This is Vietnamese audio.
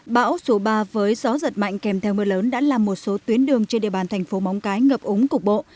bão số ba với gió giật mạnh kèm theo mưa lớn đã làm một số tuyến đường trên địa bàn thành phố móng cái ngập ống cục bộ